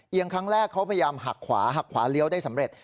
ครั้งแรกเขาพยายามหักขวาหักขวาเลี้ยวได้สำเร็จ